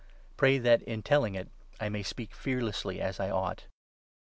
Pray that, in telling it, I may speak fearlessly as I ought.